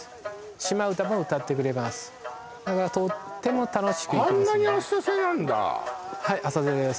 島唄も歌ってくれますだからとっても楽しく行けますねはい浅瀬です